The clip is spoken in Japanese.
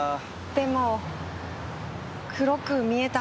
でも黒く見えたんです。